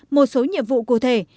bốn một số nhiệm vụ cụ thể